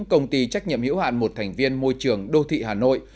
công ty trách nhiệm hiểu hạn một thành viên môi trường đô thị hà nội